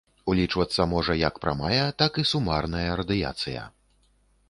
Улічвацца можа як прамая, так і сумарная радыяцыя.